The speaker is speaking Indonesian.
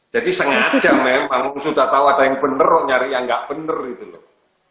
jadi sengaja memang sudah tahu ada yang bener loh nyari yang nggak bener gitu loh